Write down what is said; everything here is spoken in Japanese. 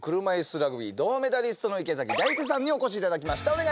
車いすラグビー銅メダリストの池崎大輔さんにお越しいただきました。